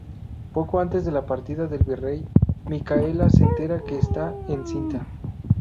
Poco antes de la partida del virrey, Micaela se entera que está en cinta.